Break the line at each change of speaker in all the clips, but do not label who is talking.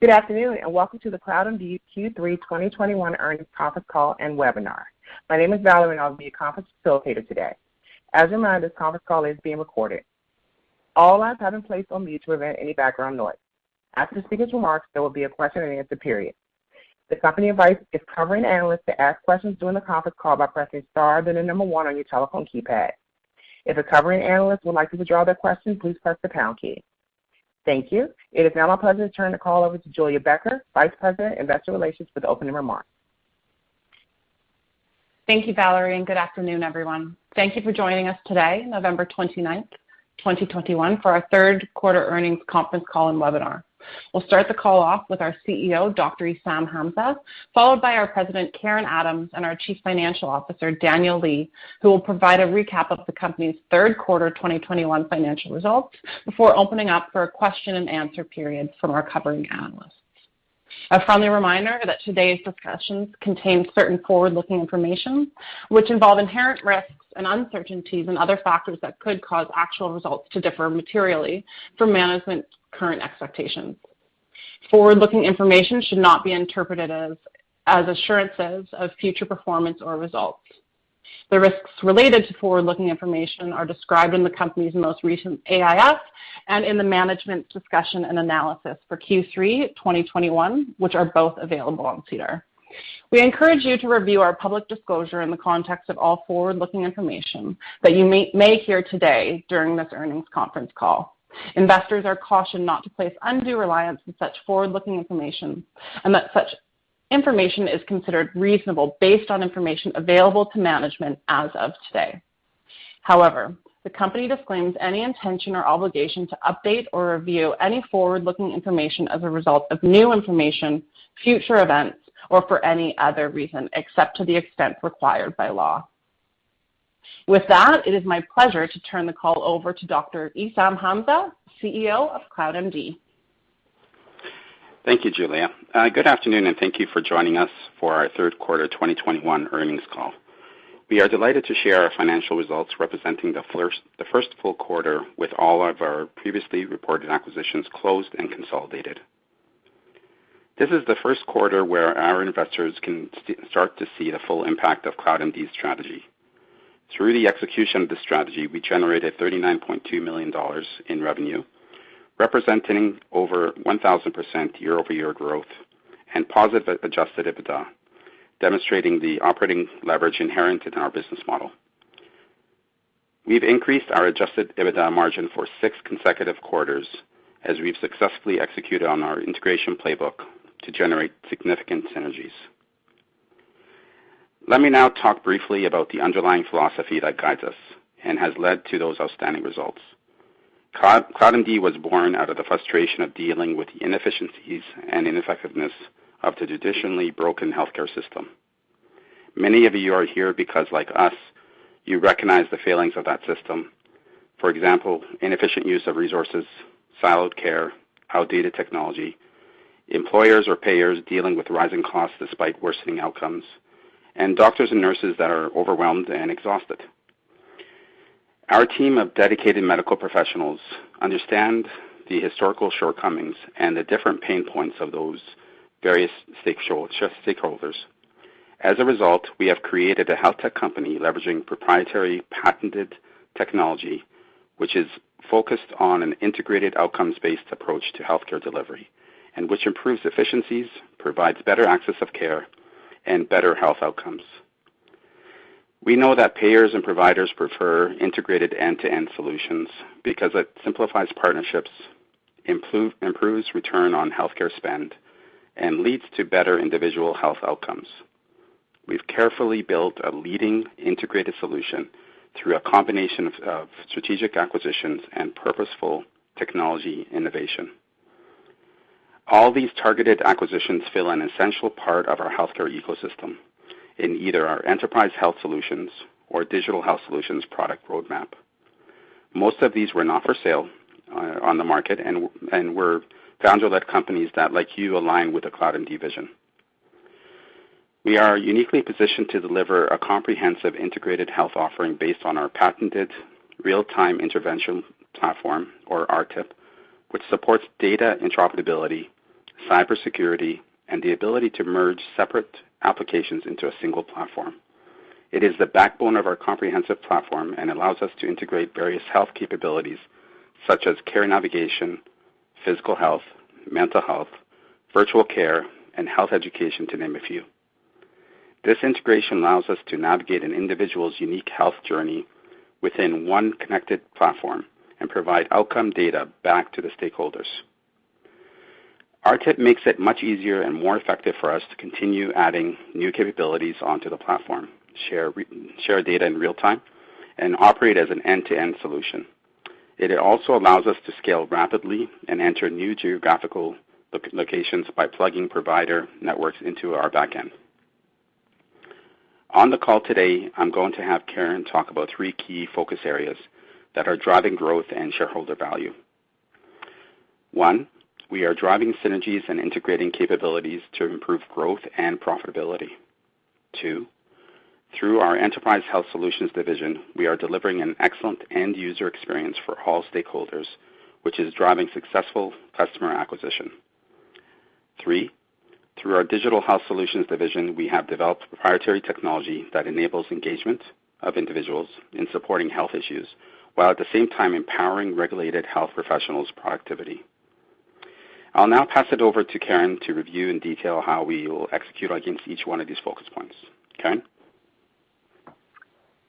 Good afternoon, and welcome to the CloudMD Q3 2021 Earnings Conference Call and Webinar. My name is Valerie, and I'll be your conference facilitator today. As a reminder, this conference call is being recorded. All lines have been placed on mute to prevent any background noise. After the speaker's remarks, there will be a question and answer period. The company invites its covering analysts to ask questions during the conference call by pressing star, then the number one on your telephone keypad. If a covering analyst would like to withdraw their question, please press the pound key. Thank you. It is now my pleasure to turn the call over to Julia Becker, Vice President, Investor Relations, for the opening remarks.
Thank you, Valerie, and good afternoon, everyone. Thank you for joining us today, November 29th, 2021, for our Q3 earnings conference call and webinar. We'll start the call off with our CEO, Dr. Essam Hamza, followed by our President, Karen Adams, and our Chief Financial Officer, Daniel Lee, who will provide a recap of the company's Q3 twenty-twenty-one financial results before opening up for a question and answer period from our covering analysts. A friendly reminder that today's discussions contain certain forward-looking information which involve inherent risks and uncertainties and other factors that could cause actual results to differ materially from management's current expectations. Forward-looking information should not be interpreted as assurances of future performance or results. The risks related to forward-looking information are described in the company's most recent AIF and in the management discussion and analysis for Q3 twenty-twenty-one, which are both available on SEDAR. We encourage you to review our public disclosure in the context of all forward-looking information that you may hear today during this earnings conference call. Investors are cautioned not to place undue reliance on such forward-looking information, and that such information is considered reasonable based on information available to management as of today. However, the company disclaims any intention or obligation to update or review any forward-looking information as a result of new information, future events, or for any other reason, except to the extent required by law. With that, it is my pleasure to turn the call over to Dr. Essam Hamza, CEO of CloudMD.
Thank you, Julia. Good afternoon, and thank you for joining us for our Q3 2021 earnings call. We are delighted to share our financial results representing the first full quarter with all of our previously reported acquisitions closed and consolidated. This is the Q1 where our investors can start to see the full impact of CloudMD's strategy. Through the execution of this strategy, we generated 39.2 million dollars in revenue, representing over 1,000% year-over-year growth and positive adjusted EBITDA, demonstrating the operating leverage inherent in our business model. We've increased our adjusted EBITDA margin for six consecutive quarters as we've successfully executed on our integration playbook to generate significant synergies. Let me now talk briefly about the underlying philosophy that guides us and has led to those outstanding results. CloudMD was born out of the frustration of dealing with the inefficiencies and ineffectiveness of the traditionally broken healthcare system. Many of you are here because, like us, you recognize the failings of that system. For example, inefficient use of resources, siloed care, outdated technology, employers or payers dealing with rising costs despite worsening outcomes, and doctors and nurses that are overwhelmed and exhausted. Our team of dedicated medical professionals understand the historical shortcomings and the different pain points of those various stakeholders. As a result, we have created a health tech company leveraging proprietary patented technology, which is focused on an integrated outcomes-based approach to healthcare delivery and which improves efficiencies, provides better access of care and better health outcomes. We know that payers and providers prefer integrated end-to-end solutions because it simplifies partnerships, improves return on healthcare spend, and leads to better individual health outcomes. We've carefully built a leading integrated solution through a combination of strategic acquisitions and purposeful technology innovation. All these targeted acquisitions fill an essential part of our healthcare ecosystem in either our Enterprise Health Solutions or Digital Health Solutions product roadmap. Most of these were not for sale on the market and were founder-led companies that, like you, align with the CloudMD vision. We are uniquely positioned to deliver a comprehensive integrated health offering based on our patented real-time intervention platform or RTIP, which supports data interoperability, cybersecurity, and the ability to merge separate applications into a single platform. It is the backbone of our comprehensive platform and allows us to integrate various health capabilities such as care navigation, physical health, mental health, virtual care, and health education, to name a few. This integration allows us to navigate an individual's unique health journey within one connected platform and provide outcome data back to the stakeholders. RTIP makes it much easier and more effective for us to continue adding new capabilities onto the platform, share data in real time, and operate as an end-to-end solution. It also allows us to scale rapidly and enter new geographical locations by plugging provider networks into our back end. On the call today, I'm going to have Karen talk about three key focus areas that are driving growth and shareholder value. One, we are driving synergies and integrating capabilities to improve growth and profitability. Two. Through our Enterprise Health Solutions division, we are delivering an excellent end user experience for all stakeholders, which is driving successful customer acquisition. Three, through our Digital Health Solutions division, we have developed proprietary technology that enables engagement of individuals in supporting health issues, while at the same time empowering regulated health professionals' productivity. I'll now pass it over to Karen to review in detail how we will execute against each one of these focus points. Karen?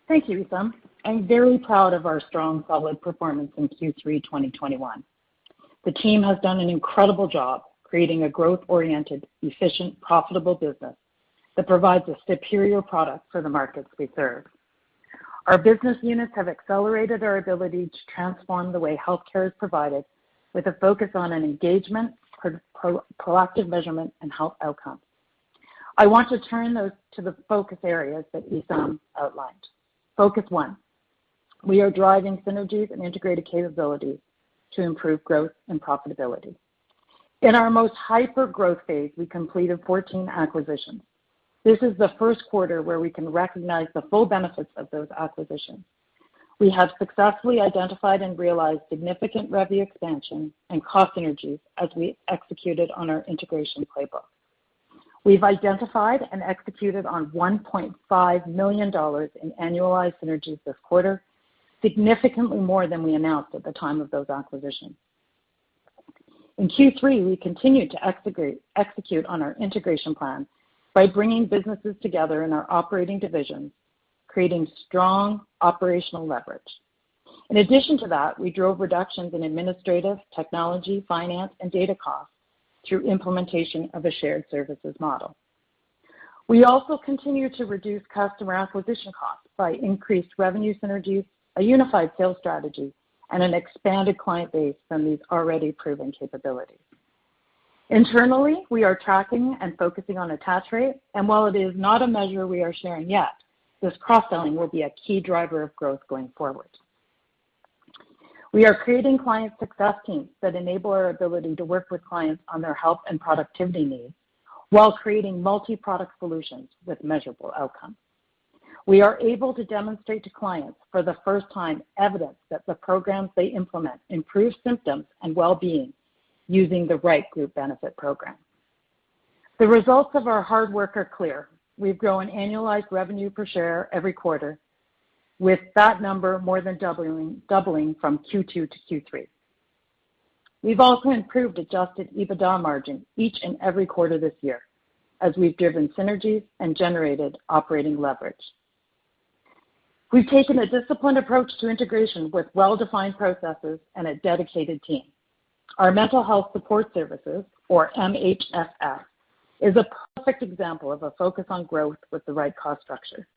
Thank you, Essam. I'm very proud of our strong, solid performance in Q3 2021. The team has done an incredible job creating a growth-oriented, efficient, profitable business that provides a superior product for the markets we serve. Our business units have accelerated our ability to transform the way healthcare is provided, with a focus on an engagement, proactive measurement, and health outcome. I want to turn those to the focus areas that Essam outlined. Focus one: we are driving synergies and integrated capabilities to improve growth and profitability. In our most hyper-growth phase, we completed 14 acquisitions. This is the Q1 where we can recognize the full benefits of those acquisitions. We have successfully identified and realized significant rev expansion and cost synergies as we executed on our integration playbook. We've identified and executed on 1.5 million dollars in annualized synergies this quarter, significantly more than we announced at the time of those acquisitions. In Q3, we continued to execute on our integration plan by bringing businesses together in our operating divisions, creating strong operational leverage. In addition to that, we drove reductions in administrative, technology, finance, and data costs through implementation of a shared services model. We also continued to reduce customer acquisition costs by increased revenue synergies, a unified sales strategy, and an expanded client base from these already proven capabilities. Internally, we are tracking and focusing on attach rate, and while it is not a measure we are sharing yet, this cross-selling will be a key driver of growth going forward. We are creating client success teams that enable our ability to work with clients on their health and productivity needs while creating multi-product solutions with measurable outcomes. We are able to demonstrate to clients for the first time evidence that the programs they implement improve symptoms and well-being using the right group benefit program. The results of our hard work are clear. We've grown annualized revenue per share every quarter, with that number more than doubling from Q2-Q3. We've also improved adjusted EBITDA margin each and every quarter this year as we've driven synergies and generated operating leverage. We've taken a disciplined approach to integration with well-defined processes and a dedicated team. Our mental health support services, or MHSS, is a perfect example of a focus on growth with the right cost structure.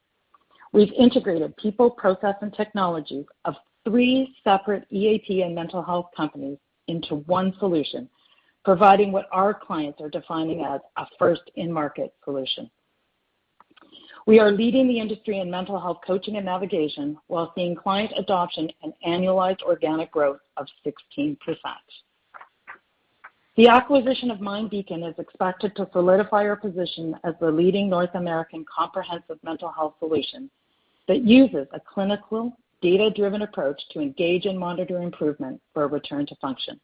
We've integrated people, process, and technology of three separate EAP and mental health companies into one solution, providing what our clients are defining as a first-in-market solution. We are leading the industry in mental health coaching and navigation while seeing client adoption and annualized organic growth of 16%. The acquisition of MindBeacon is expected to solidify our position as the leading North American comprehensive mental health solution that uses a clinical data-driven approach to engage and monitor improvement for a return to function.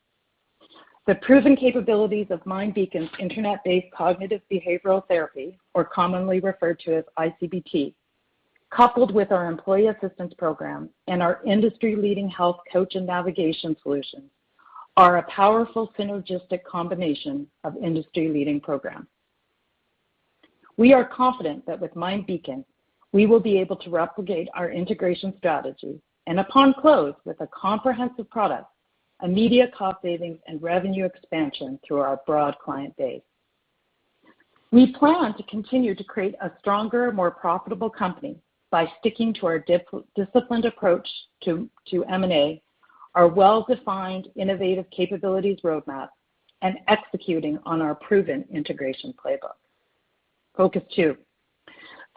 The proven capabilities of MindBeacon's Internet-based cognitive behavioral therapy, or commonly referred to as iCBT, coupled with our employee assistance program and our industry-leading health coach and navigation solutions, are a powerful synergistic combination of industry-leading programs. We are confident that with MindBeacon, we will be able to replicate our integration strategy and upon close with a comprehensive product, immediate cost savings, and revenue expansion through our broad client base. We plan to continue to create a stronger, more profitable company by sticking to our disciplined approach to M&A, our well-defined innovative capabilities roadmap, and executing on our proven integration playbook. Focus two: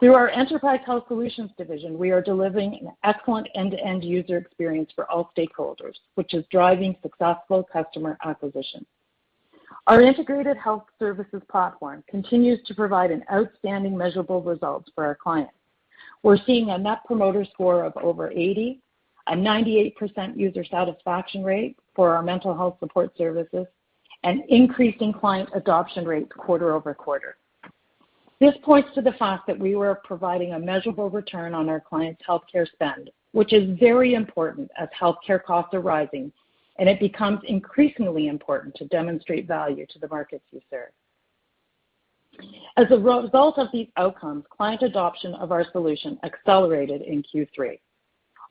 through our Enterprise Health Solutions division, we are delivering an excellent end-to-end user experience for all stakeholders, which is driving successful customer acquisition. Our integrated health services platform continues to provide an outstanding measurable results for our clients. We're seeing a Net Promoter Score of over 80, a 98% user satisfaction rate for our mental health support services, an increasing client adoption rate quarter-over-quarter. This points to the fact that we are providing a measurable return on our clients' healthcare spend, which is very important as healthcare costs are rising, and it becomes increasingly important to demonstrate value to the markets we serve. As a result of these outcomes, client adoption of our solution accelerated in Q3.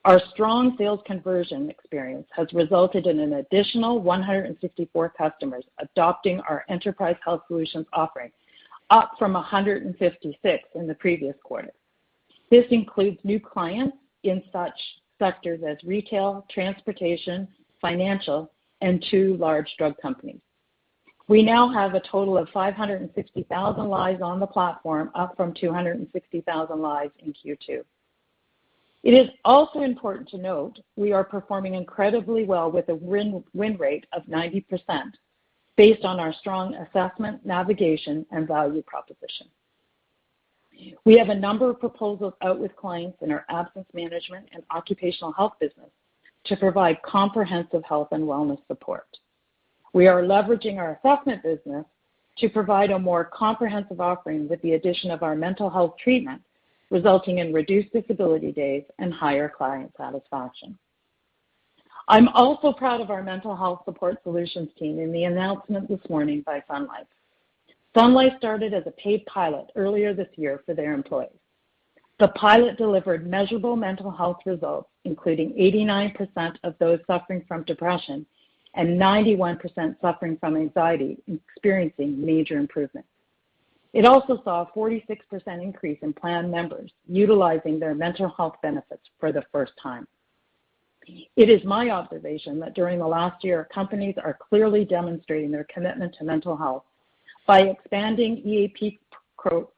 Our strong sales conversion experience has resulted in an additional 154 customers adopting our Enterprise Health Solutions offering, up from 156 in the previous quarter. This includes new clients in such sectors as retail, transportation, financial, and two large drug companies. We now have a total of 560,000 lives on the platform, up from 260,000 lives in Q2. It is also important to note we are performing incredibly well with a win-win rate of 90% based on our strong assessment, navigation, and value proposition. We have a number of proposals out with clients in our absence management and occupational health business to provide comprehensive health and wellness support. We are leveraging our assessment business to provide a more comprehensive offering with the addition of our mental health treatment, resulting in reduced disability days and higher client satisfaction. I'm also proud of our mental health support solutions team in the announcement this morning by Sun Life. Sun Life started a paid pilot earlier this year for their employees. The pilot delivered measurable mental health results, including 89% of those suffering from depression and 91% suffering from anxiety, experiencing major improvements. It also saw a 46% increase in plan members utilizing their mental health benefits for the first time. It is my observation that during the last year, companies are clearly demonstrating their commitment to mental health by expanding EAP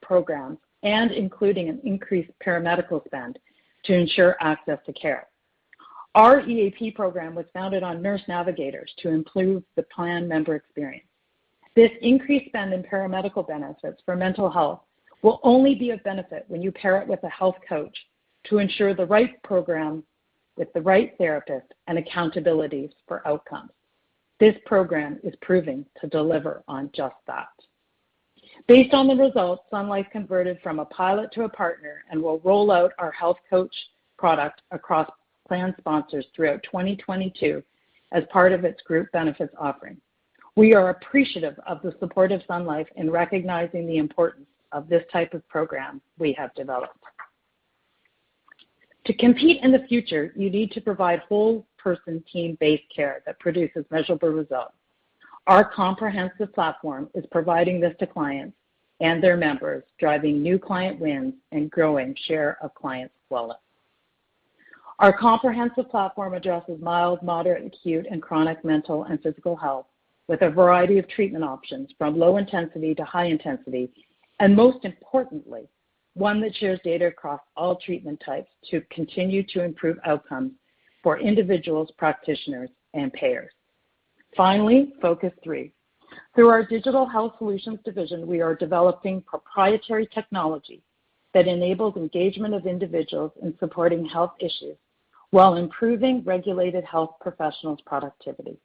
programs and including an increased paramedical spend to ensure access to care. Our EAP program was founded on nurse navigators to improve the plan member experience. This increased spend in paramedical benefits for mental health will only be of benefit when you pair it with a health coach to ensure the right program with the right therapist and accountabilities for outcomes. This program is proving to deliver on just that. Based on the results, Sun Life converted from a pilot to a partner and will roll out our health coach product across plan sponsors throughout 2022 as part of its group benefits offering. We are appreciative of the support of Sun Life in recognizing the importance of this type of program we have developed. To compete in the future, you need to provide whole person team-based care that produces measurable results. Our comprehensive platform is providing this to clients and their members, driving new client wins and growing share of client wallet. Our comprehensive platform addresses mild, moderate, acute, and chronic mental and physical health with a variety of treatment options from low intensity to high intensity, and most importantly, one that shares data across all treatment types to continue to improve outcomes for individuals, practitioners, and payers. Finally, focus three. Through our Digital Health Solutions division, we are developing proprietary technology that enables engagement of individuals in supporting health issues while improving regulated health professionals' productivity.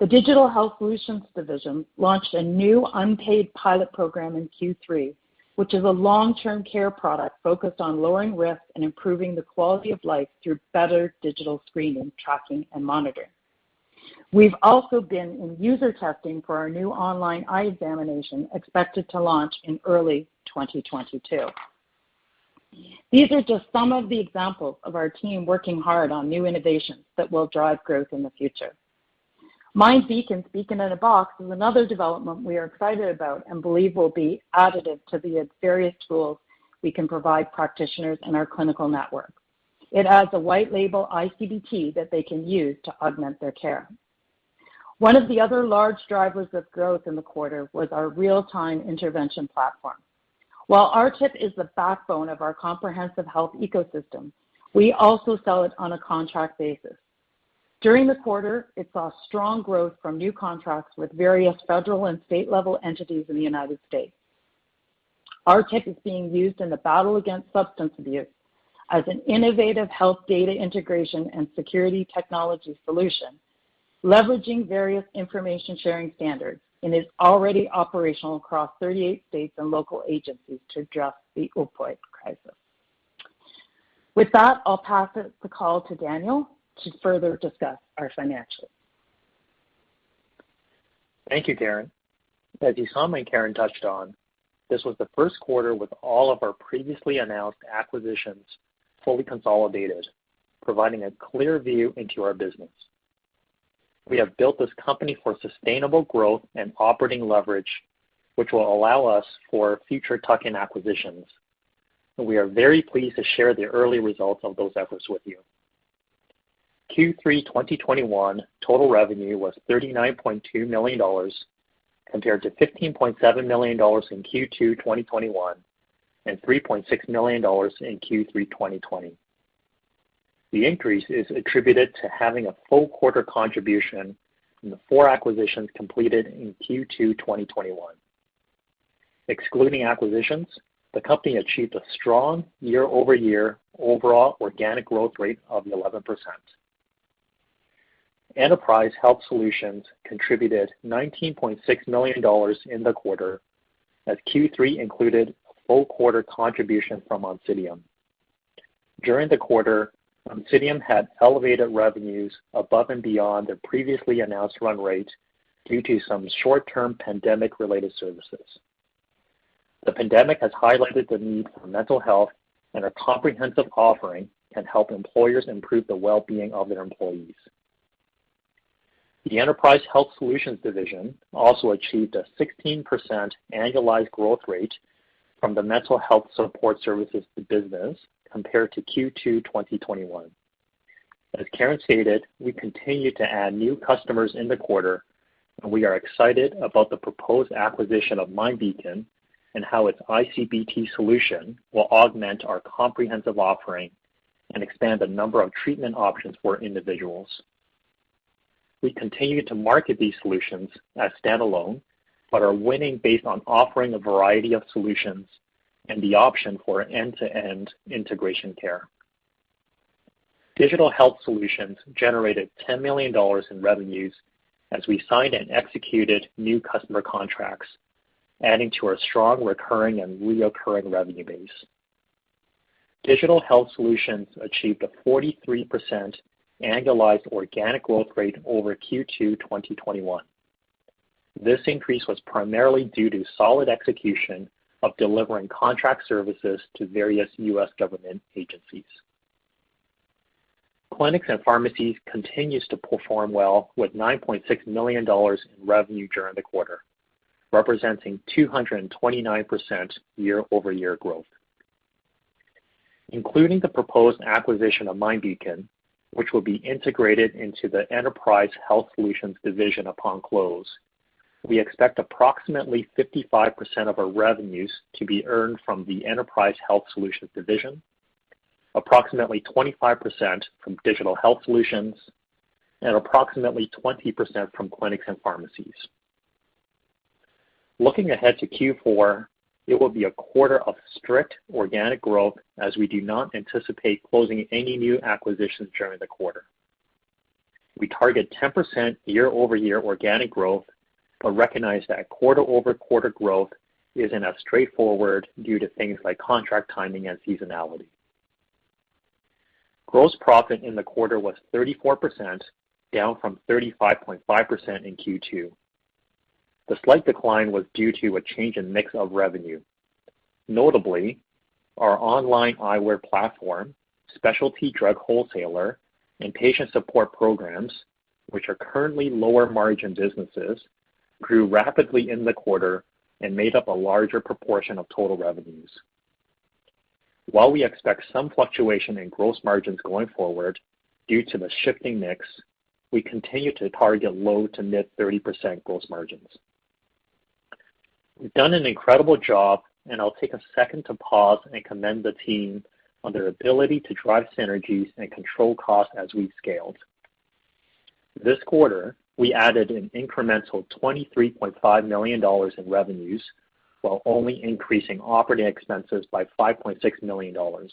The Digital Health Solutions division launched a new unpaid pilot program in Q3, which is a long-term care product focused on lowering risk and improving the quality of life through better digital screening, tracking, and monitoring. We've also been in user testing for our new online eye examination, expected to launch in early 2022. These are just some of the examples of our team working hard on new innovations that will drive growth in the future. MindBeacon's Beacon in a Box is another development we are excited about and believe will be additive to the various tools we can provide practitioners in our clinical network. It adds a white label iCBT that they can use to augment their care. One of the other large drivers of growth in the quarter was our real-time intervention platform. While RTIP is the backbone of our comprehensive health ecosystem, we also sell it on a contract basis. During the quarter, it saw strong growth from new contracts with various federal and state-level entities in the United States. RTIP is being used in the battle against substance abuse as an innovative health data integration and security technology solution, leveraging various information sharing standards, and is already operational across 38 states and local agencies to address the opioid crisis. With that, I'll pass the call to Daniel to further discuss our financials.
Thank you, Karen. As you saw and Karen touched on, this was the Q1 with all of our previously announced acquisitions fully consolidated, providing a clear view into our business. We have built this company for sustainable growth and operating leverage, which will allow us for future tuck-in acquisitions, and we are very pleased to share the early results of those efforts with you. Q3 2021 total revenue was 39.2 million dollars, compared to 15.7 million dollars in Q2 2021 and 3.6 million dollars in Q3 2020. The increase is attributed to having a full quarter contribution from the four acquisitions completed in Q2 2021. Excluding acquisitions, the company achieved a strong year-over-year overall organic growth rate of 11%. Enterprise Health Solutions contributed 19.6 million dollars in the quarter, as Q3 included a full quarter contribution from Oncidium. During the quarter, Oncidium had elevated revenues above and beyond their previously announced run rate due to some short-term pandemic-related services. The pandemic has highlighted the need for mental health, and our comprehensive offering can help employers improve the well-being of their employees. The Enterprise Health Solutions division also achieved a 16% annualized growth rate from the mental health support services business compared to Q2 2021. As Karen stated, we continue to add new customers in the quarter, and we are excited about the proposed acquisition of MindBeacon and how its ICBT solution will augment our comprehensive offering and expand the number of treatment options for individuals. We continue to market these solutions as standalone, but are winning based on offering a variety of solutions and the option for end-to-end integration care. Digital Health Solutions generated $10 million in revenues as we signed and executed new customer contracts, adding to our strong recurring and reoccurring revenue base. Digital Health Solutions achieved a 43% annualized organic growth rate over Q2 2021. This increase was primarily due to solid execution of delivering contract services to various U.S. government agencies. Clinics and pharmacies continue to perform well with $9.6 million in revenue during the quarter, representing 229% year-over-year growth. Including the proposed acquisition of MindBeacon, which will be integrated into the Enterprise Health Solutions division upon close, we expect approximately 55% of our revenues to be earned from the Enterprise Health Solutions division, approximately 25% from Digital Health Solutions, and approximately 20% from clinics and pharmacies. Looking ahead to Q4, it will be a quarter of strict organic growth as we do not anticipate closing any new acquisitions during the quarter. We target 10% year-over-year organic growth, but recognize that quarter-over-quarter growth isn't as straightforward due to things like contract timing and seasonality. Gross profit in the quarter was 34%, down from 35.5% in Q2. The slight decline was due to a change in mix of revenue. Notably, our online eyewear platform, specialty drug wholesaler, and patient support programs, which are currently lower margin businesses, grew rapidly in the quarter and made up a larger proportion of total revenues. While we expect some fluctuation in gross margins going forward due to the shifting mix, we continue to target low- to mid-30% gross margins. We've done an incredible job, and I'll take a second to pause and commend the team on their ability to drive synergies and control costs as we've scaled. This quarter, we added an incremental 23.5 million dollars in revenues while only increasing operating expenses by 5.6 million dollars.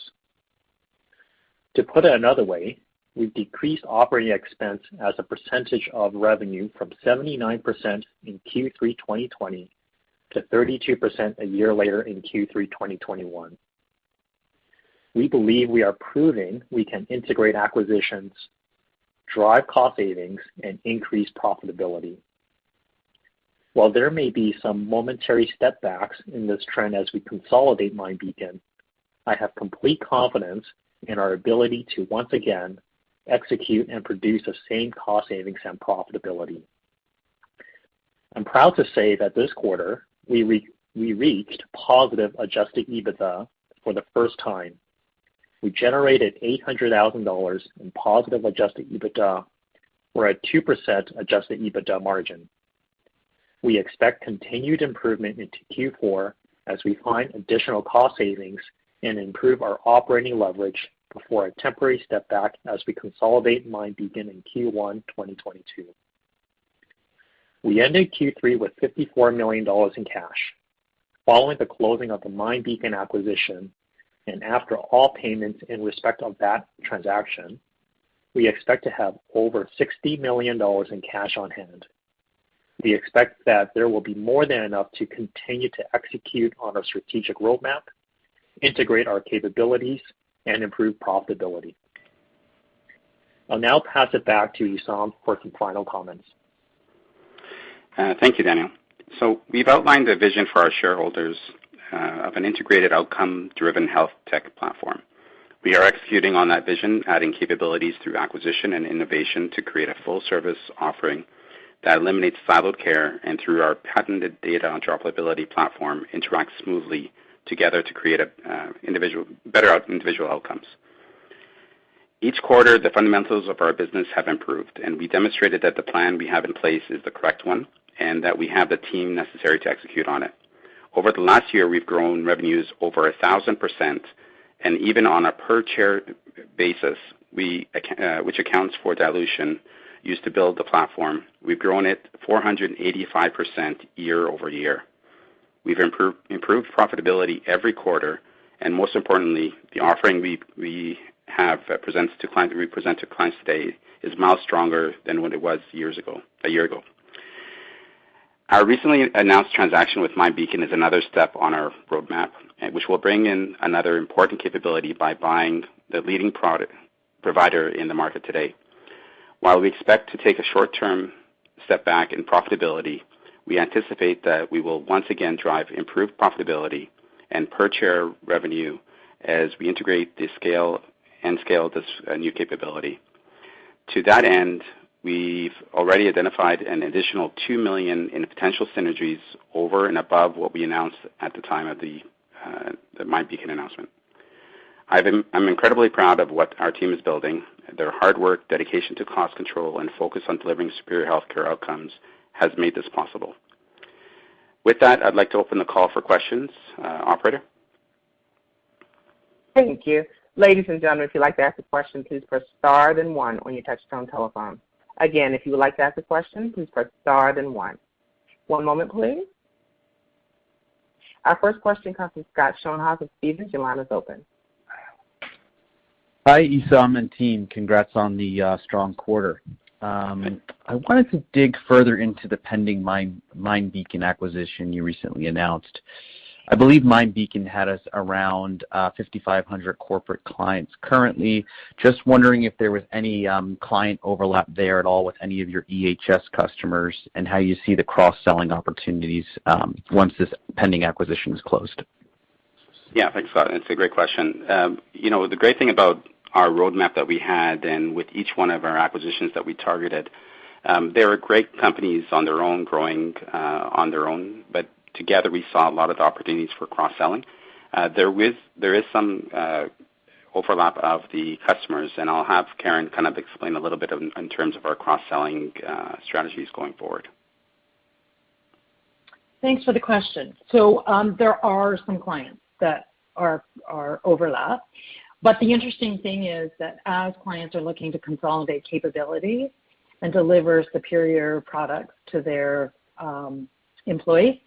To put it another way, we've decreased operating expense as a percentage of revenue from 79% in Q3 2020 to 32% a year later in Q3 2021. We believe we are proving we can integrate acquisitions, drive cost savings, and increase profitability. While there may be some momentary step backs in this trend as we consolidate MindBeacon, I have complete confidence in our ability to once again execute and produce the same cost savings and profitability. I'm proud to say that this quarter, we reached positive adjusted EBITDA for the first time. We generated 800 thousand dollars in positive adjusted EBITDA. We're at 2% adjusted EBITDA margin. We expect continued improvement into Q4 as we find additional cost savings and improve our operating leverage before a temporary step back as we consolidate MindBeacon in Q1 2022. We ended Q3 with 54 million dollars in cash. Following the closing of the MindBeacon acquisition and after all payments in respect of that transaction, we expect to have over 60 million dollars in cash on hand. We expect that there will be more than enough to continue to execute on our strategic roadmap, integrate our capabilities, and improve profitability. I'll now pass it back to Essam for some final comments.
Thank you, Daniel. We've outlined a vision for our shareholders of an integrated outcome-driven health tech platform. We are executing on that vision, adding capabilities through acquisition and innovation to create a full service offering that eliminates siloed care and through our patented data interoperability platform interacts smoothly together to create better individual outcomes. Each quarter, the fundamentals of our business have improved, and we demonstrated that the plan we have in place is the correct one and that we have the team necessary to execute on it. Over the last year, we've grown revenues over 1,000%, and even on a per-share basis, which accounts for dilution used to build the platform, we've grown it 485% year-over-year. We've improved profitability every quarter, and most importantly, the offering we present to clients today is miles stronger than what it was a year ago. Our recently announced transaction with MindBeacon is another step on our roadmap, which will bring in another important capability by buying the leading product provider in the market today. While we expect to take a short-term step back in profitability, we anticipate that we will once again drive improved profitability and per-share revenue as we integrate and scale this new capability. To that end, we've already identified an additional 2 million in potential synergies over and above what we announced at the time of the announcement. I'm incredibly proud of what our team is building. Their hard work, dedication to cost control, and focus on delivering superior healthcare outcomes has made this possible. With that, I'd like to open the call for questions. Operator?
Thank you. Ladies and gentlemen, if you'd like to ask a question, please press star then one on your touchtone telephone. Again, if you would like to ask a question, please press star then one. One moment, please. Our first question comes from Scott Schoenhaus of Stephens. Your line is open.
Hi, Essam and team. Congrats on the strong quarter. I wanted to dig further into the pending MindBeacon acquisition you recently announced. I believe MindBeacon had around 5,500 corporate clients currently. Just wondering if there was any client overlap there at all with any of your EHS customers and how you see the cross-selling opportunities once this pending acquisition is closed.
Yeah, thanks, Scott, and it's a great question. You know, the great thing about our roadmap that we had, and with each one of our acquisitions that we targeted, they were great companies on their own, growing, on their own, but together, we saw a lot of opportunities for cross-selling. There is some overlap of the customers, and I'll have Karen kind of explain a little bit in terms of our cross-selling strategies going forward.
Thanks for the question. There are some clients that are overlapping. But the interesting thing is that as clients are looking to consolidate capability and deliver superior products to their employees,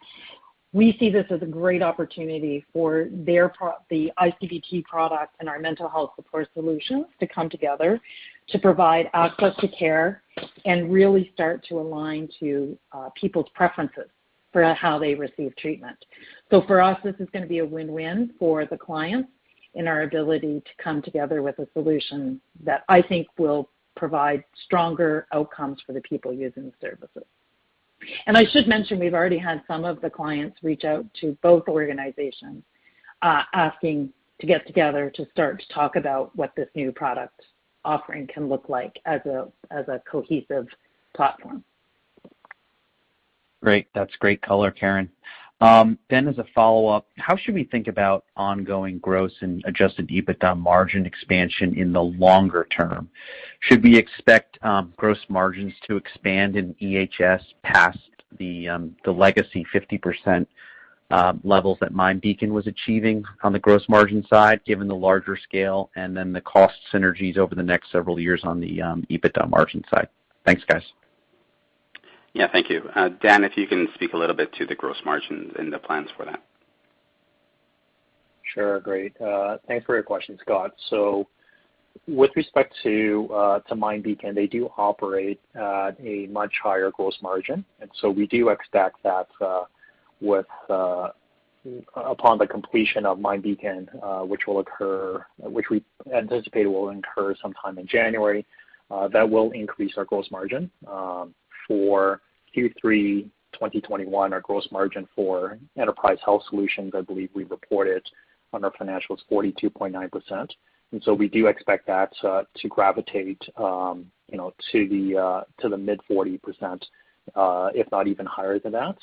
we see this as a great opportunity for the ICBT products and our mental health support solutions to come together to provide access to care and really start to align to people's preferences for how they receive treatment. For us, this is gonna be a win-win for the clients and our ability to come together with a solution that I think will provide stronger outcomes for the people using the services. I should mention, we've already had some of the clients reach out to both organizations asking to get together to start to talk about what this new product offering can look like as a cohesive platform.
Great. That's great color, Karen. As a follow-up, how should we think about ongoing gross and adjusted EBITDA margin expansion in the longer term? Should we expect gross margins to expand in EHS past the legacy 50% levels that MindBeacon was achieving on the gross margin side, given the larger scale and then the cost synergies over the next several years on the EBITDA margin side? Thanks, guys.
Yeah, thank you. Dan, if you can speak a little bit to the gross margin and the plans for that.
Sure, great. Thanks for your question, Scott. With respect to MindBeacon, they do operate at a much higher gross margin. We do expect that upon the completion of MindBeacon, which we anticipate will occur sometime in January, that will increase our gross margin for Q3 2021. Our gross margin for Enterprise Health Solutions, I believe we reported on our financials 42.9%. We do expect that to gravitate, you know, to the mid-40%, if not even higher than that.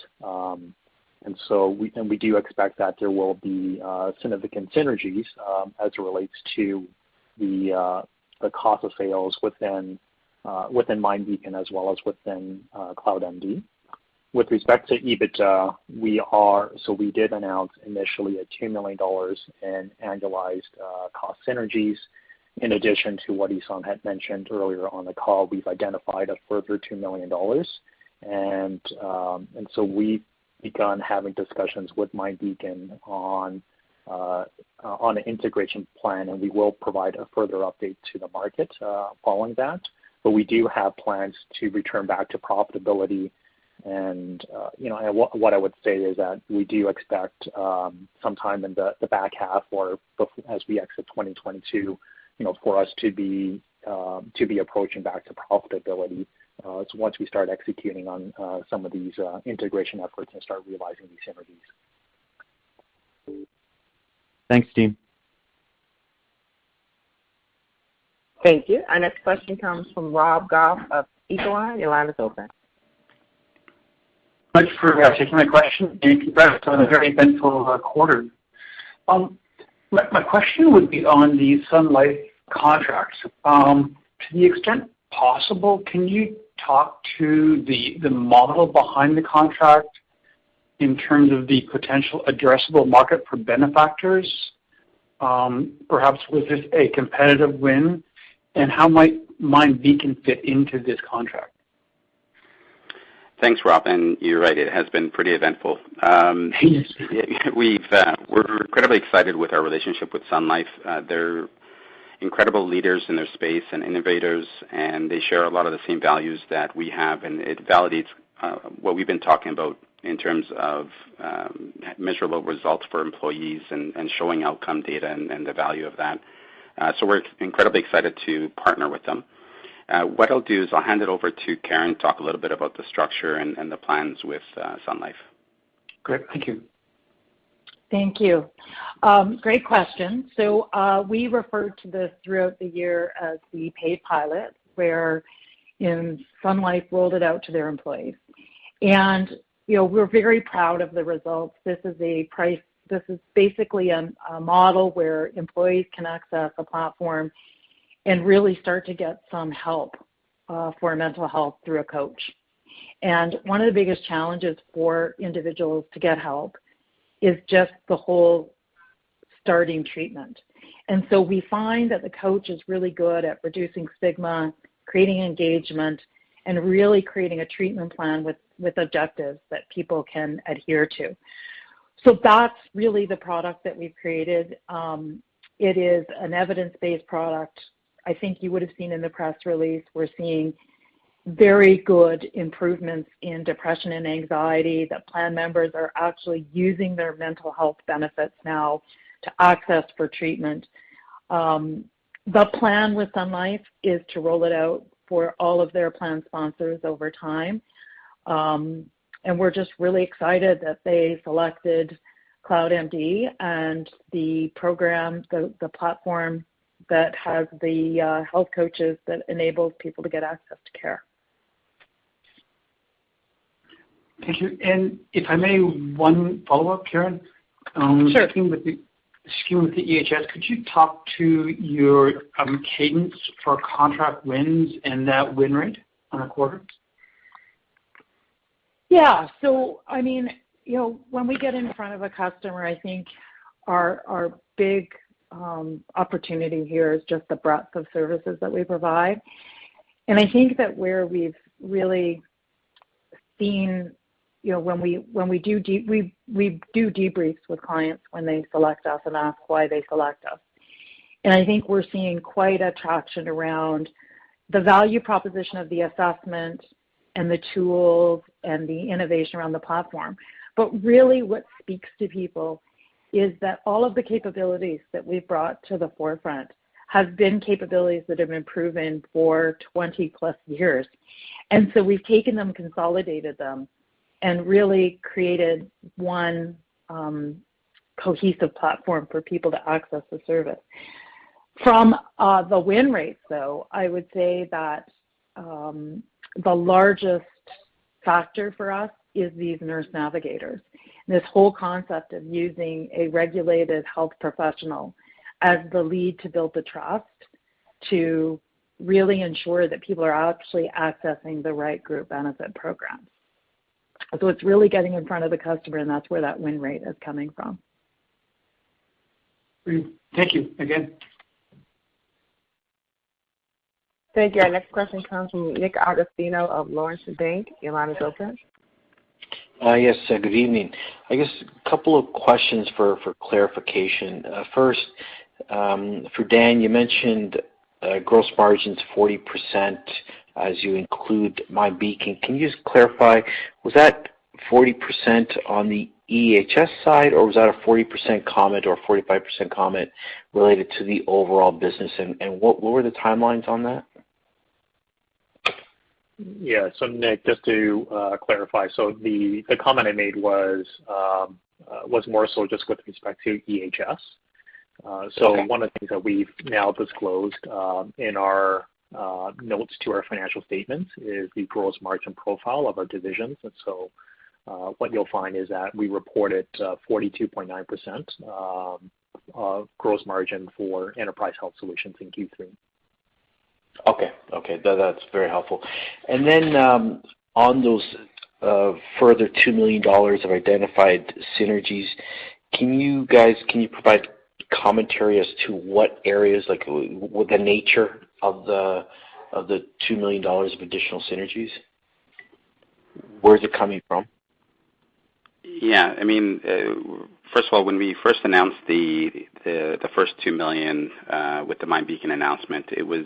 We do expect that there will be significant synergies as it relates to the cost of sales within MindBeacon as well as within CloudMD. With respect to EBITDA, we did announce initially 2 million dollars in annualized cost synergies. In addition to what Essam had mentioned earlier on the call, we've identified a further 2 million dollars. We've begun having discussions with MindBeacon on an integration plan, and we will provide a further update to the market following that. We do have plans to return back to profitability and what I would say is that we do expect sometime in the back half or as we exit 2022, you know, for us to be approaching back to profitability so once we start executing on some of these integration efforts and start realizing these synergies.
Thanks, team.
Thank you. Our next question comes from Rob Goff of [Echelon Wealth Partners]. Your line is open.
Thanks for taking my question, and congrats on a very eventful quarter. My question would be on the Sun Life contracts. To the extent possible, can you talk to the model behind the contract in terms of the potential addressable market for beneficiaries? Perhaps was this a competitive win? How might MindBeacon fit into this contract?
Thanks, Rob, and you're right, it has been pretty eventful.
It has.
We're incredibly excited with our relationship with Sun Life. They're incredible leaders in their space and innovators, and they share a lot of the same values that we have, and it validates what we've been talking about in terms of measurable results for employees and showing outcome data and the value of that. We're incredibly excited to partner with them. What I'll do is I'll hand it over to Karen to talk a little bit about the structure and the plans with Sun Life.
Great. Thank you.
Thank you. Great question. We referred to this throughout the year as the paid pilot, where, you know, Sun Life rolled it out to their employees. You know, we're very proud of the results. This is basically a model where employees can access a platform and really start to get some help for mental health through a coach. One of the biggest challenges for individuals to get help is just the whole starting treatment. We find that the coach is really good at reducing stigma, creating engagement, and really creating a treatment plan with objectives that people can adhere to. That's really the product that we've created. It is an evidence-based product. I think you would have seen in the press release, we're seeing very good improvements in depression and anxiety, that plan members are actually using their mental health benefits now to access for treatment. The plan with Sun Life is to roll it out for all of their plan sponsors over time. We're just really excited that they selected CloudMD and the program, the platform that has the health coaches that enables people to get access to care.
Thank you. If I may, one follow-up, Karen.
Sure.
Starting with the EHS, could you talk to your cadence for contract wins and that win rate on a quarter?
Yeah. I mean, you know, when we get in front of a customer, I think our big opportunity here is just the breadth of services that we provide. I think that where we've really seen, you know, when we do debriefs with clients when they select us and ask why they select us. I think we're seeing quite a traction around the value proposition of the assessment and the tools and the innovation around the platform. Really what speaks to people is that all of the capabilities that we've brought to the forefront have been capabilities that have been proven for 20+ years. We've taken them, consolidated them, and really created one cohesive platform for people to access the service. From the win rates, though, I would say that the largest factor for us is these nurse navigators. This whole concept of using a regulated health professional as the lead to build the trust, to really ensure that people are actually accessing the right group benefit programs. It's really getting in front of the customer, and that's where that win rate is coming from.
Great. Thank you again.
Thank you. Our next question comes from Nick Agostino of Laurentian Bank. Your line is open.
Yes, good evening. I guess a couple of questions for clarification. First, for Dan, you mentioned gross margins 40% as you include MindBeacon. Can you just clarify, was that 40% on the EHS side, or was that a 40% comment or a 45% comment related to the overall business? And what were the timelines on that?
Yeah. Nick, just to clarify. The comment I made was more so just with respect to EHS.
Okay.
One of the things that we've now disclosed in our notes to our financial statements is the gross margin profile of our divisions. What you'll find is that we reported 42.9% gross margin for Enterprise Health Solutions in Q3.
Okay. That’s very helpful. On those further 2 million dollars of identified synergies, can you provide commentary as to what areas, like what the nature of the 2 million dollars of additional synergies? Where is it coming from?
Yeah. I mean, first of all, when we first announced the first 2 million with the MindBeacon announcement, it was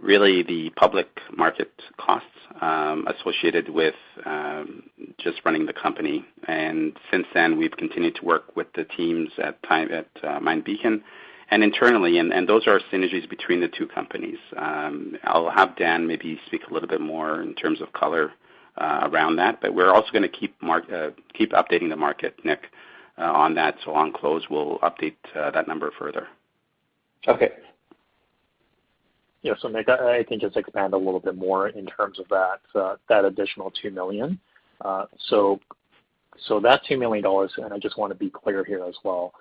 really the public market costs associated with just running the company. Since then, we've continued to work with the teams at MindBeacon and internally, and those are synergies between the two companies. I'll have Dan maybe speak a little bit more in terms of color around that, but we're also gonna keep updating the market, Nick, on that. On close, we'll update that number further.
Okay.
Yeah. Nick, I think just to expand a little bit more in terms of that additional 2 million. That 2 million dollars, and I just wanna be clear here as well.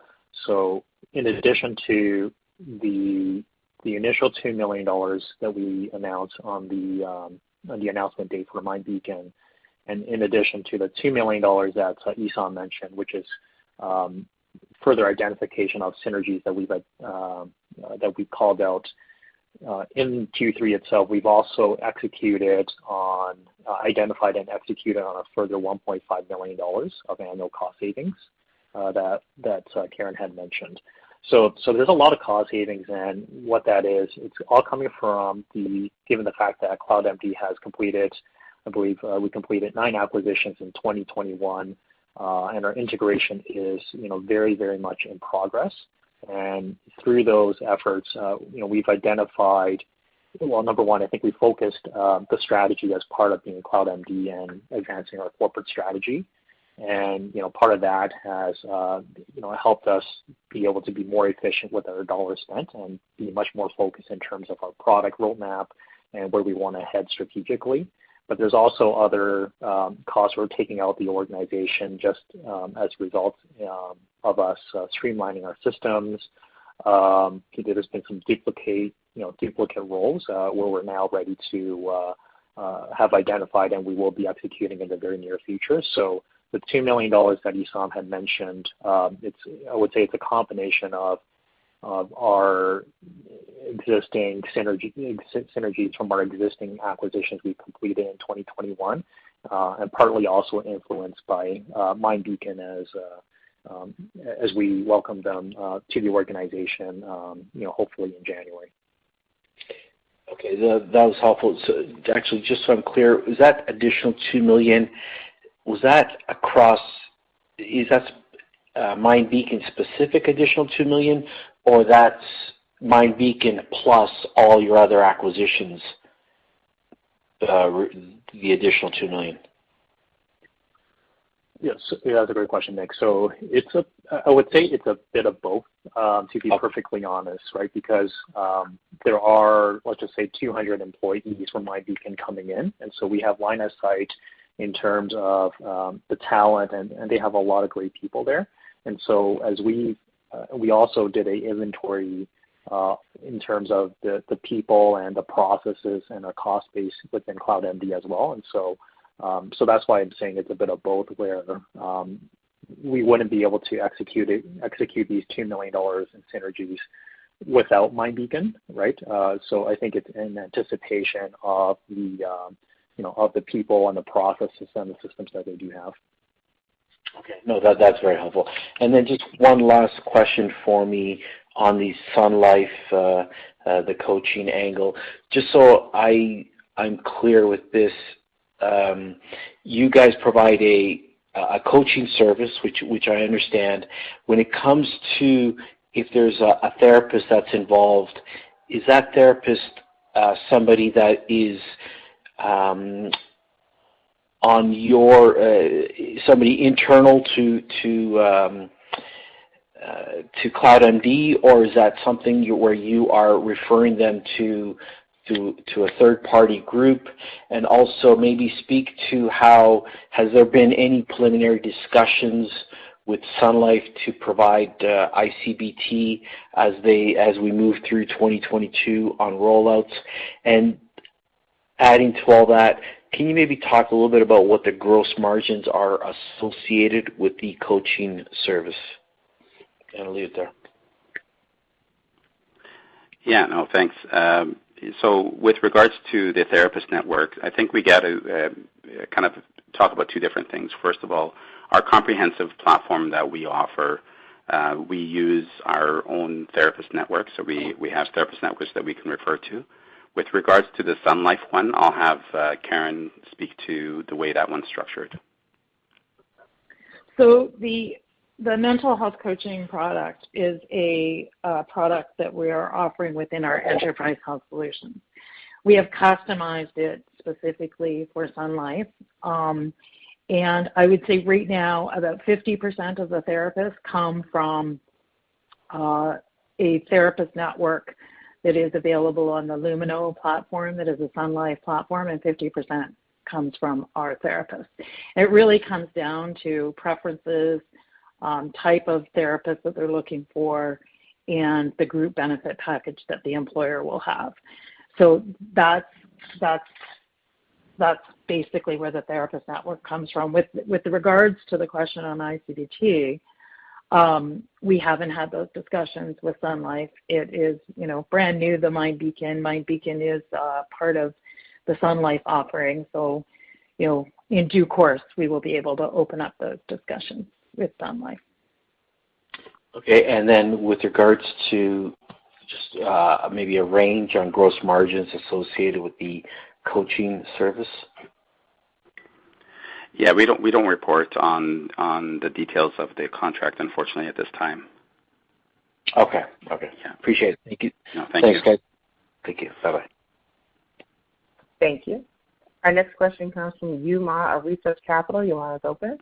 In addition to the initial 2 million dollars that we announced on the announcement date for MindBeacon, and in addition to the 2 million dollars that Essam mentioned, which is further identification of synergies that we've called out in Q3 itself, we've also identified and executed on a further 1.5 million dollars of annual cost savings that Karen had mentioned. There's a lot of cost savings and what that is, it's all coming from given the fact that CloudMD has completed, I believe, we completed nine acquisitions in 2021, and our integration is, you know, very much in progress. Through those efforts, you know, we've identified. Well, number one, I think we focused the strategy as part of being CloudMD and enhancing our corporate strategy. You know, part of that has, you know, helped us be able to be more efficient with our dollar spent and be much more focused in terms of our product roadmap and where we wanna head strategically. There's also other costs we're taking out of the organization just as a result of us streamlining our systems. There has been some duplicate roles where we have identified and we will be executing in the very near future. The 2 million dollars that Essam had mentioned, I would say it's a combination of our existing synergies from our existing acquisitions we completed in 2021, and partly also influenced by MindBeacon as we welcome them to the organization, you know, hopefully in January.
Okay. That was helpful. Actually, just so I'm clear, is that additional 2 million MindBeacon specific or MindBeacon plus all your other acquisitions, the additional 2 million?
Yes. That's a great question, Nick. I would say it's a bit of both, to be perfectly honest, right? Because there are, let's just say, 200 employees from MindBeacon coming in. We have line of sight in terms of the talent and they have a lot of great people there. As we also did an inventory in terms of the people and the processes and the cost base within CloudMD as well. That's why I'm saying it's a bit of both, where we wouldn't be able to execute these 2 million dollars in synergies without MindBeacon, right? I think it's in anticipation of the, you know, of the people and the processes and the systems that they do have.
Okay. No, that's very helpful. Just one last question for me on the Sun Life, the coaching angle. Just so I'm clear with this, you guys provide a coaching service which I understand. When it comes to if there's a therapist that's involved, is that therapist somebody that is on your somebody internal to CloudMD, or is that something where you are referring them to a third-party group? Also maybe speak to how has there been any preliminary discussions with Sun Life to provide ICBT as we move through 2022 on rollouts. Adding to all that, can you maybe talk a little bit about what the gross margins are associated with the coaching service? I'll leave it there.
Yeah. No, thanks. With regards to the therapist network, I think we gotta kind of talk about two different things. First of all, our comprehensive platform that we offer, we use our own therapist network. We have therapist networks that we can refer to. With regards to the Sun Life one, I'll have Karen speak to the way that one's structured.
The mental health coaching product is a product that we are offering within our Enterprise Health Solutions. We have customized it specifically for Sun Life. I would say right now about 50% of the therapists come from a therapist network that is available on the Lumino platform. That is a Sun Life platform, and 50% comes from our therapists. It really comes down to preferences, type of therapist that they're looking for and the group benefit package that the employer will have. That's basically where the therapist network comes from. With regards to the question on ICBT, we haven't had those discussions with Sun Life. It is, you know, brand new to MindBeacon. MindBeacon is part of the Sun Life offering. You know, in due course, we will be able to open up those discussions with Sun Life.
Okay. With regards to just, maybe a range on gross margins associated with the coaching service?
Yeah. We don't report on the details of the contract, unfortunately, at this time.
Okay. Okay.
Yeah.
Appreciate it. Thank you.
No, thank you.
Thanks, guys.
Thank you. Bye-bye.
Thank you. Our next question comes from Yue Ma of Research Capital. Yue Ma, the line's open.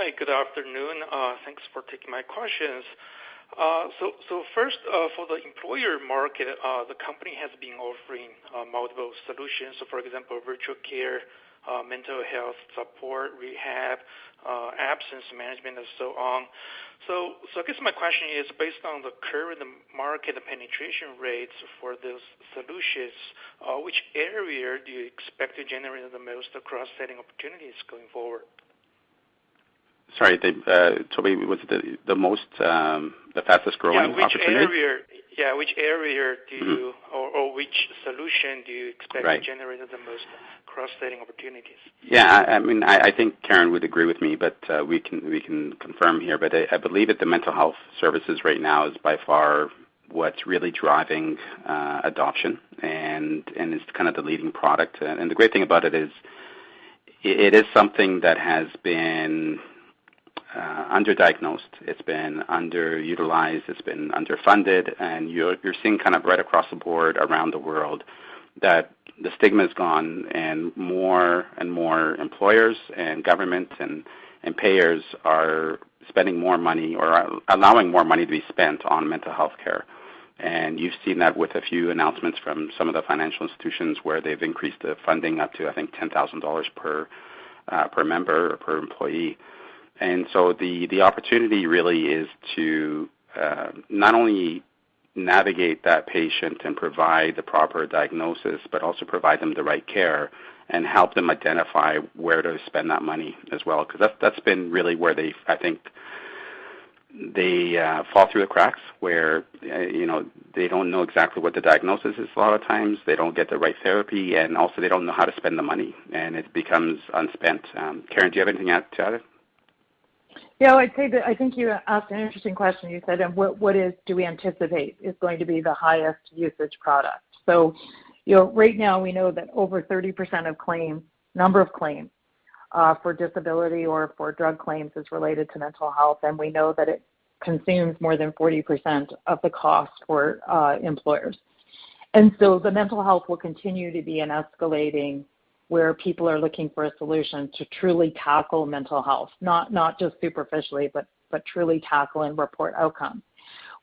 Hi. Good afternoon. Thanks for taking my questions. First, for the employer market, the company has been offering multiple solutions. For example, virtual care, mental health support, rehab, absence management and so on. I guess my question is, based on the current market penetration rates for those solutions, which area do you expect to generate the most cross-selling opportunities going forward?
Sorry, Toby, what's the most, the fastest-growing opportunity?
Which area do you? Which solution do you expect?
Right.
To generate the most cross-selling opportunities?
Yeah. I mean, I think Karen would agree with me, but we can confirm here. I believe that the mental health services right now is by far what's really driving adoption and it's kind of the leading product. The great thing about it is it is something that has been underdiagnosed, it's been underutilized, it's been underfunded, and you're seeing kind of right across the board around the world that the stigma's gone and more and more employers and governments and payers are spending more money or allowing more money to be spent on mental health care. You've seen that with a few announcements from some of the financial institutions where they've increased the funding up to, I think, 10,000 dollars per member or per employee. The opportunity really is to not only navigate that patient and provide the proper diagnosis, but also provide them the right care and help them identify where to spend that money as well, 'cause that's been really where they, I think, fall through the cracks where you know they don't know exactly what the diagnosis is a lot of times. They don't get the right therapy, and also they don't know how to spend the money, and it becomes unspent. Karen, do you have anything else to add?
I'd say that I think you asked an interesting question. You said, and what do we anticipate is going to be the highest usage product? You know, right now we know that over 30% of claims, number of claims, for disability or for drug claims is related to mental health, and we know that it consumes more than 40% of the cost for employers. The mental health will continue to be an escalating, where people are looking for a solution to truly tackle mental health, not just superficially, but truly tackle and report outcomes.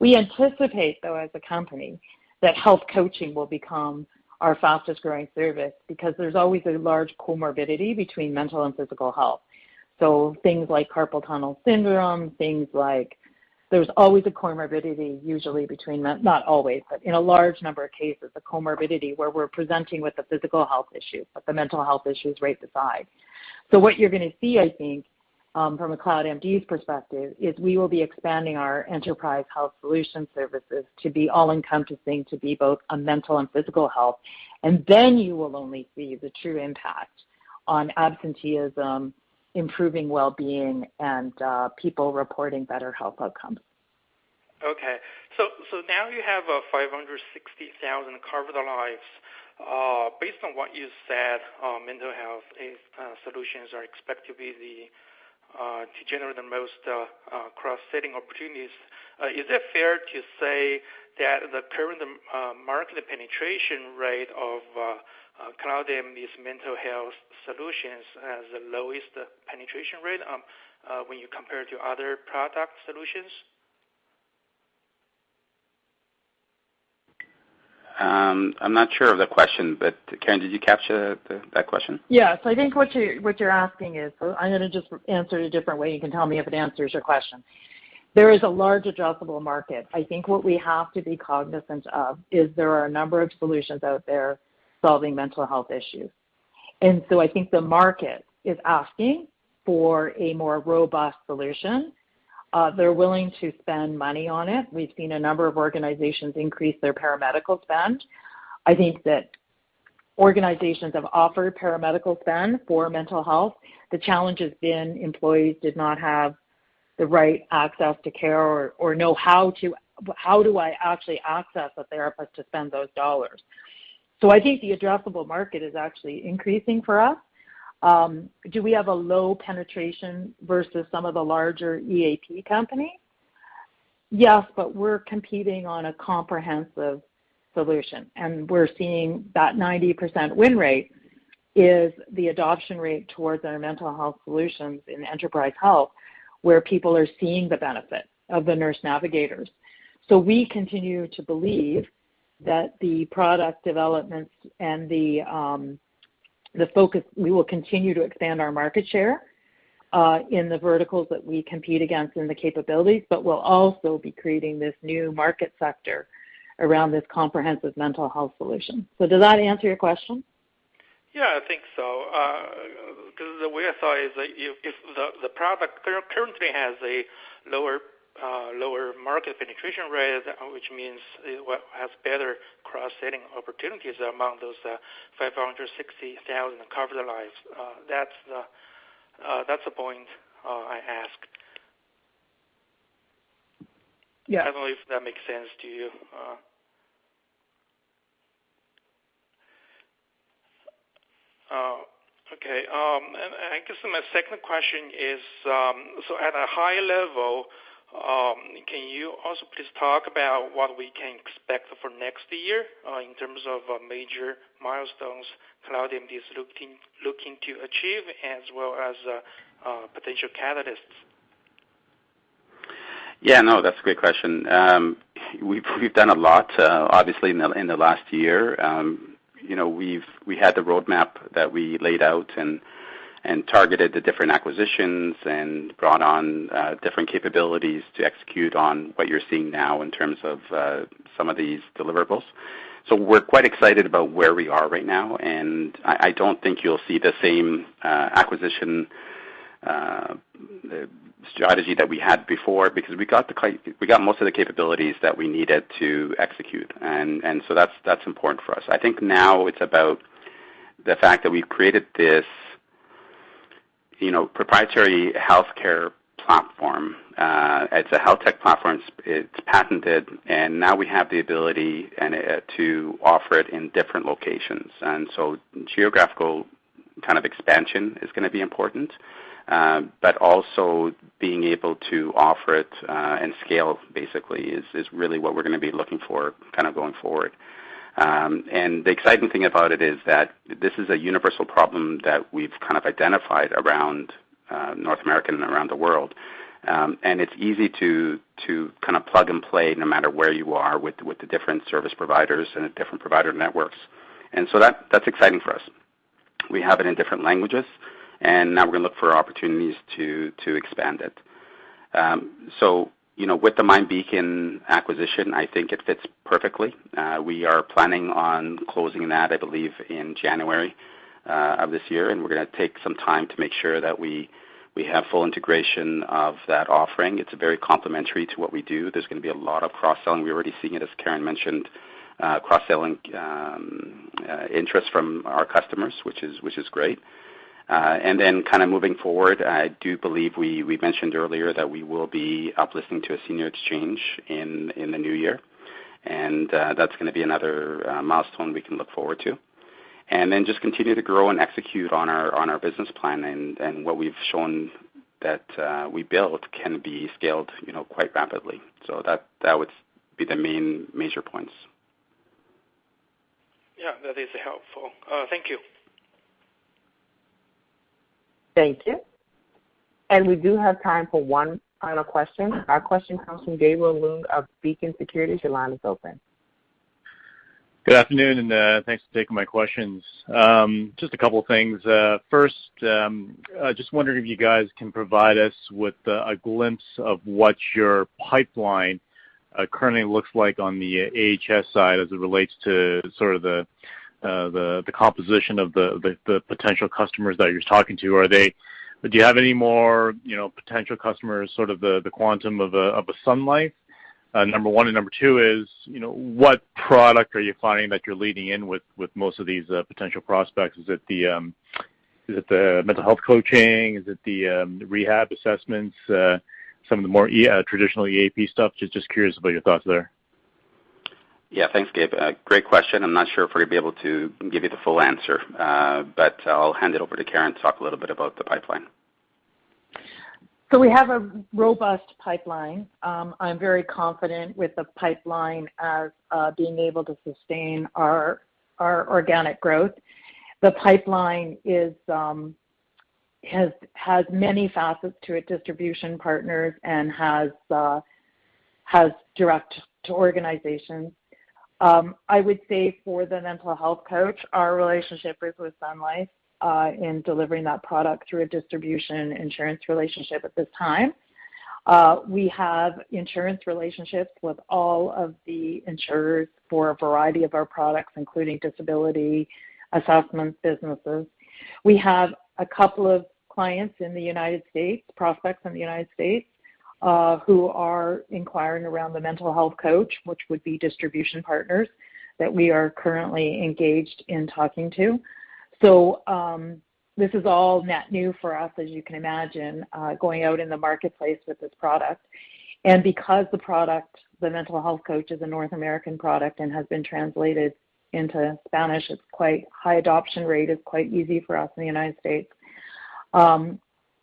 We anticipate, though, as a company, that health coaching will become our fastest-growing service because there's always a large comorbidity between mental and physical health. Things like carpal tunnel syndrome, things like There's always a comorbidity usually between mental—not always, but in a large number of cases, a comorbidity where we're presenting with a physical health issue, but the mental health issue is right beside. What you're gonna see, I think, from a CloudMD's perspective, is we will be expanding our enterprise health solution services to be all-encompassing, to be both a mental and physical health. You will only see the true impact on absenteeism, improving well-being, and people reporting better health outcomes.
Now you have 560,000 covered lives. Based on what you said, mental health solutions are expected to generate the most cross-selling opportunities. Is it fair to say that the current market penetration rate of CloudMD's mental health solutions has the lowest penetration rate when you compare to other product solutions?
I'm not sure of the question, but Karen, did you capture that question?
Yes. I think what you're asking is. So I'm gonna just answer it a different way. You can tell me if it answers your question. There is a large addressable market. I think what we have to be cognizant of is there are a number of solutions out there solving mental health issues. I think the market is asking for a more robust solution. They're willing to spend money on it. We've seen a number of organizations increase their paramedical spend. I think that organizations have offered paramedical spend for mental health. The challenge has been employees did not have the right access to care or know how to. How do I actually access a therapist to spend those dollars? I think the addressable market is actually increasing for us. Do we have a low penetration versus some of the larger EAP companies? Yes, but we're competing on a comprehensive solution, and we're seeing that 90% win rate is the adoption rate towards our mental health solutions in enterprise health, where people are seeing the benefit of the nurse navigators. We continue to believe that the product developments and the focus, we will continue to expand our market share in the verticals that we compete against in the capabilities, but we'll also be creating this new market sector around this comprehensive mental health solution. Does that answer your question?
Yeah, I think so. 'Cause the way I saw it is if the product currently has a lower market penetration rate, which means it has better cross-selling opportunities among those 560,000 covered lives, that's the point I asked.
Yeah.
I don't know if that makes sense to you. Okay. I guess my second question is, so at a high level, can you also please talk about what we can expect for next year, in terms of major milestones CloudMD is looking to achieve as well as potential catalysts?
Yeah. No, that's a great question. We've done a lot, obviously in the last year. You know, we had the roadmap that we laid out and targeted the different acquisitions and brought on different capabilities to execute on what you're seeing now in terms of some of these deliverables. We're quite excited about where we are right now, and I don't think you'll see the same acquisition strategy that we had before because we got most of the capabilities that we needed to execute and so that's important for us. I think now it's about the fact that we've created this, you know, proprietary healthcare platform. It's a health tech platform. It's patented, and now we have the ability to offer it in different locations. Geographical kind of expansion is gonna be important, but also being able to offer it, and scale basically is really what we're gonna be looking for kind of going forward. The exciting thing about it is that this is a universal problem that we've kind of identified around North America and around the world. It's easy to kind of plug and play no matter where you are with the different service providers and the different provider networks. That's exciting for us. We have it in different languages, and now we're gonna look for opportunities to expand it. You know, with the MindBeacon acquisition, I think it fits perfectly. We are planning on closing that, I believe, in January of this year, and we're gonna take some time to make sure that we have full integration of that offering. It's very complementary to what we do. There's gonna be a lot of cross-selling. We're already seeing it, as Karen mentioned, cross-selling interest from our customers, which is great. And then kind of moving forward, I do believe we mentioned earlier that we will be uplisting to a senior exchange in the new year. That's gonna be another milestone we can look forward to. Then just continue to grow and execute on our business plan and what we've shown that we built can be scaled, you know, quite rapidly. That would be the main major points.
Yeah, that is helpful. Thank you.
Thank you. We do have time for one final question. Our question comes from Gabriel Leung of Beacon Securities. Your line is open.
Good afternoon, thanks for taking my questions. Just a couple of things. First, just wondering if you guys can provide us with a glimpse of what your pipeline currently looks like on the EHS side as it relates to sort of the composition of the potential customers that you're talking to. Do you have any more, you know, potential customers, sort of the quantum of a Sun Life? Number one. Number two is, you know, what product are you finding that you're leading in with most of these potential prospects? Is it the mental health coaching? Is it the rehab assessments? Some of the more traditional EAP stuff. Just curious about your thoughts there.
Yeah. Thanks, Gabe. Great question. I'm not sure if we're gonna be able to give you the full answer, but I'll hand it over to Karen to talk a little bit about the pipeline.
We have a robust pipeline. I'm very confident with the pipeline as being able to sustain our organic growth. The pipeline has many facets to it, distribution partners and has direct to organizations. I would say for the Mental Health Coach, our relationship is with Sun Life in delivering that product through a distribution insurance relationship at this time. We have insurance relationships with all of the insurers for a variety of our products, including disability assessment businesses. We have a couple of clients in the United States, prospects in the United States, who are inquiring around the Mental Health Coach, which would be distribution partners that we are currently engaged in talking to. This is all net new for us, as you can imagine, going out in the marketplace with this product. Because the product, the Mental Health Coach, is a North American product and has been translated into Spanish, it's quite high adoption rate. It's quite easy for us in the United States.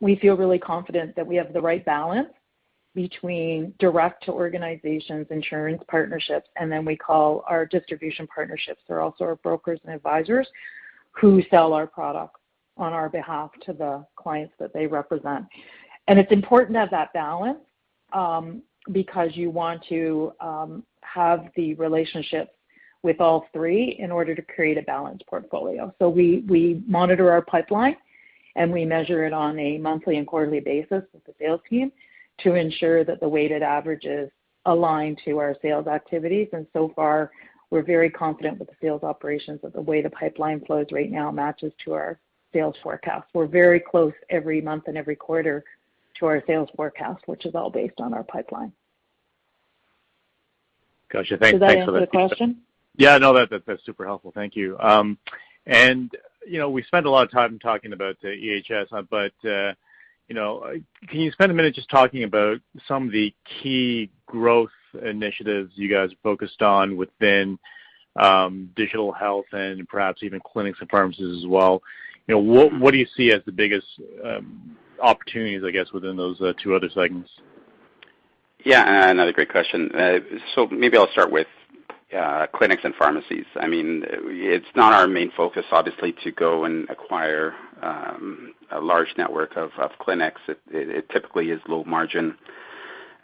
We feel really confident that we have the right balance between direct to organizations, insurance partnerships, and then we call our distribution partnerships. They're also our brokers and advisors who sell our products on our behalf to the clients that they represent. It's important to have that balance, because you want to have the relationships with all three in order to create a balanced portfolio. We monitor our pipeline, and we measure it on a monthly and quarterly basis with the sales team to ensure that the weighted averages align to our sales activities. So far, we're very confident with the sales operations, that the way the pipeline flows right now matches to our sales forecast. We're very close every month and every quarter to our sales forecast, which is all based on our pipeline.
Gotcha. Thanks.
Did I answer the question?
Yeah. No. That's super helpful. Thank you. You know, we spent a lot of time talking about the EHS, but you know, can you spend a minute just talking about some of the key growth initiatives you guys focused on within digital health and perhaps even clinics and pharmacies as well? You know, what do you see as the biggest opportunities, I guess, within those two other segments?
Yeah. Another great question. So maybe I'll start with clinics and pharmacies. I mean, it's not our main focus, obviously, to go and acquire a large network of clinics. It typically is low margin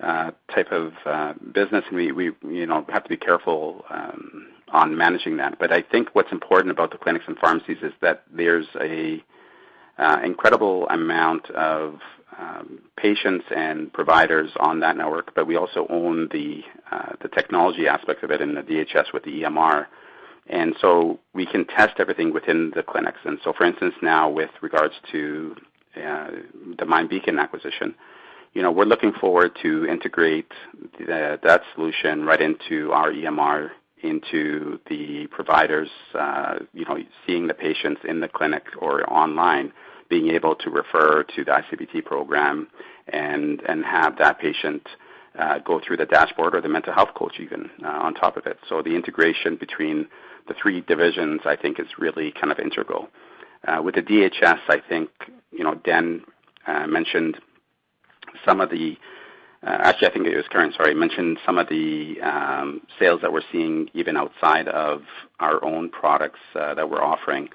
type of business, and we you know have to be careful on managing that. But I think what's important about the clinics and pharmacies is that there's an incredible amount of patients and providers on that network, but we also own the technology aspect of it in the DHS with the EMR. We can test everything within the clinics. For instance now with regards to the MindBeacon acquisition, you know, we're looking forward to integrate that solution right into our EMR, into the providers, you know, seeing the patients in the clinic or online, being able to refer to the ICBT program and have that patient go through the dashboard or the Mental Health Coach even on top of it. The integration between the three divisions, I think is really kind of integral. With the DHS, I think, you know, actually, I think it was Karen, sorry, mentioned some of the sales that we're seeing even outside of our own products that we're offering.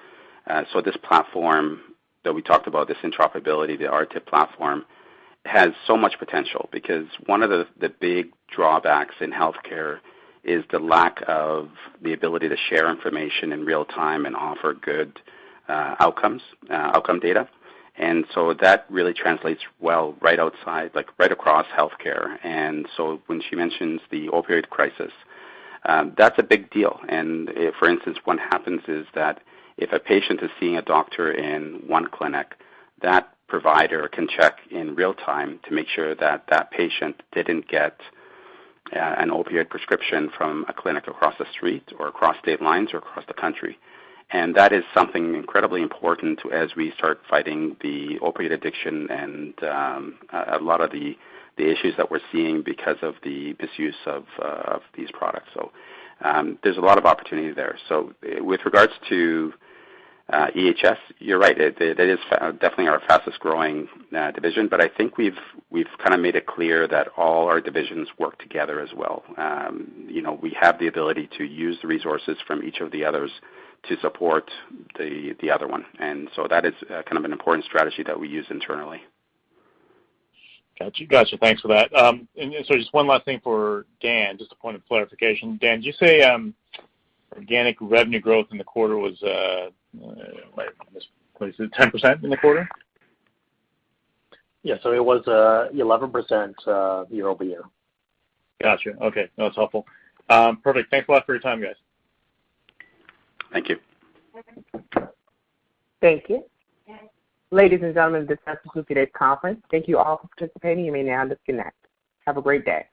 This platform that we talked about, this interoperability, the RTIP platform, has so much potential because one of the big drawbacks in healthcare is the lack of the ability to share information in real time and offer good outcomes, outcome data. That really translates well right outside, like, right across healthcare. When she mentions the opioid crisis, that's a big deal. For instance, what happens is that if a patient is seeing a doctor in one clinic, that provider can check in real time to make sure that patient didn't get an opioid prescription from a clinic across the street or across state lines or across the country. That is something incredibly important as we start fighting the opioid addiction and a lot of the issues that we're seeing because of the misuse of these products. There's a lot of opportunity there. With regards to EHS, you're right. That is definitely our fastest-growing division. But I think we've kinda made it clear that all our divisions work together as well. You know, we have the ability to use the resources from each of the others to support the other one. That is kind of an important strategy that we use internally.
Got you. Thanks for that. Just one last thing for Dan, just a point of clarification. Dan, did you say organic revenue growth in the quarter was it 10% in the quarter?
Yes. It was 11% year-over-year.
Got you. Okay, that's helpful. Perfect. Thanks a lot for your time, guys.
Thank you.
Thank you. Ladies and gentlemen, this concludes today's conference. Thank you all for participating. You may now disconnect. Have a great day.